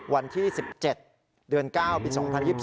วันที่๑๗เดือน๙ปี๒๐๒๒